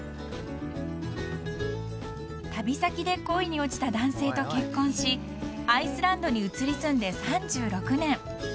［旅先で恋に落ちた男性と結婚しアイスランドに移り住んで３６年］